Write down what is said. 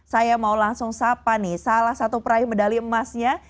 saya mau langsung sapa nih salah satu peraih medali emasnya